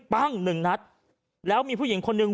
ปั้งหนึ่งนัดแล้วมีผู้หญิงคนหนึ่ง